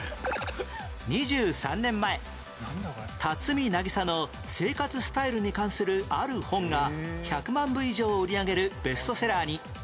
２３年前辰巳渚の生活スタイルに関するある本が１００万部以上を売り上げるベストセラーに